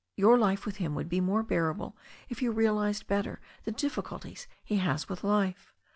Your life with him would be more bearable if you realized better the difficulties he has with life.